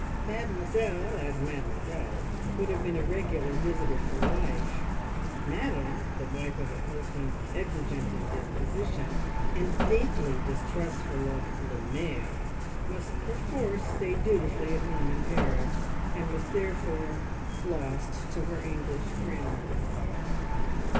Mademoiselle, as mademoiselle, would have been a regular visitor for life; Madame, the wife of a husband exigent in disposition, and deeply distrustful of "le mer" must perforce stay dutifully at home in Paris, and was therefore lost to her English friends.